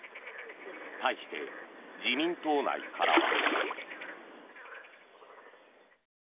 対して、自民党内からは。